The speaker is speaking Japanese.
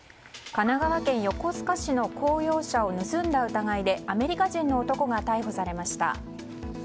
神奈川県横須賀市の公用車を盗んだ疑いでアメリカ人の男が逮捕されました。